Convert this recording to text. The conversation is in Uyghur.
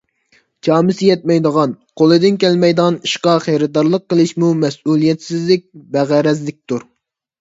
چامىسى يەتمەيدىغان، قولىدىن كەلمەيدىغان ئىشقا خېرىدارلىق قىلىشمۇ مەسئۇلىيەتسىزلىك، بەغەرەزلىكتۇر.